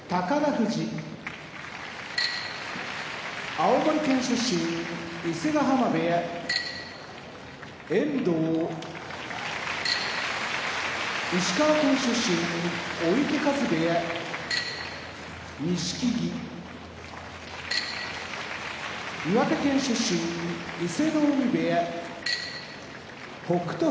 富士青森県出身伊勢ヶ濱部屋遠藤石川県出身追手風部屋錦木岩手県出身伊勢ノ海部屋北勝